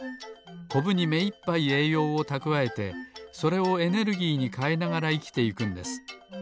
コブにめいっぱいえいようをたくわえてそれをエネルギーにかえながらいきていくんです。